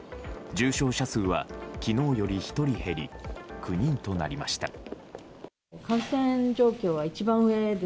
重症者数は昨日より１人減り９人となりました。